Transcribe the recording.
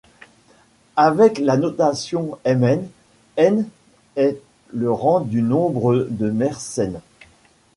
Avec la notation Mn, n est le rang du nombre de Mersenne.